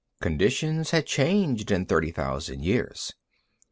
Conditions had changed in thirty thousand years.